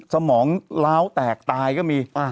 สมองล้าวแตกตายก็มี